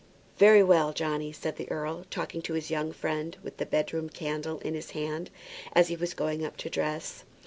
"Very well, Johnny," said the earl, talking to his young friend with the bedroom candle in his hand, as he was going up to dress.